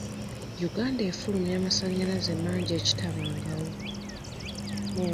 Uganda efulumya amasannyalaze mangi ekitabangawo.